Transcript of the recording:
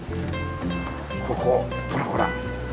ここほらほら。